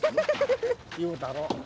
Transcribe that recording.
言うたろ。